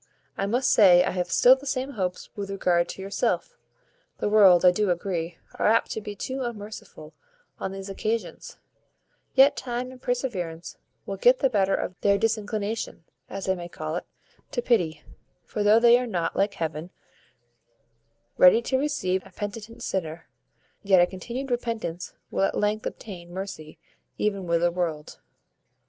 I must say, I have still the same hopes with regard to yourself. The world, I do agree, are apt to be too unmerciful on these occasions; yet time and perseverance will get the better of this their disinclination, as I may call it, to pity; for though they are not, like heaven, ready to receive a penitent sinner; yet a continued repentance will at length obtain mercy even with the world.